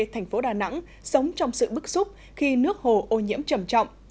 thành phố đà nẵng sống trong sự bức xúc khi nước hồ ô nhiễm trầm trọng